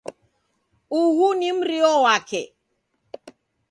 Uhu ni mrio wake.